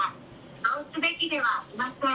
そうすべきではありません。